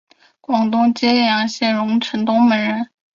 广东揭阳县榕城东门人。